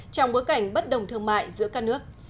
trong bối cảnh bất đồng thương mại giữa các nước